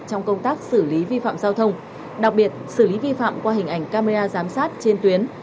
trong công tác xử lý vi phạm giao thông đặc biệt xử lý vi phạm qua hình ảnh camera giám sát trên tuyến